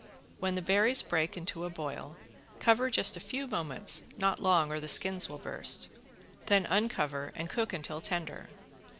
When the berries break into a boil, cover just a few moments, not long, or the skins will burst, then uncover and cook until tender.